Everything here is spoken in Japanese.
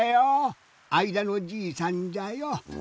あいだのじいさんじゃよ。